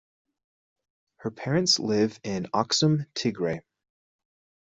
Her parents live in Axum, Tigray.